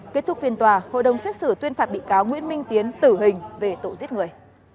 kết thúc phiên tòa hội đồng xét xử tuyên phạt bị cáo nguyễn minh tiến tử hình về tội giết người